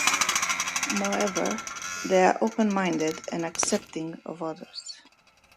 Moreover, they are open-minded and accepting of others.